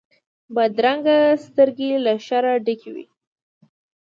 بدرنګه سترګې له شره ډکې وي